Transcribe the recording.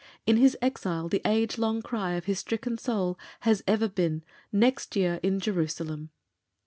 In his exile the age long cry of his stricken soul has ever been "next year in Jerusalem."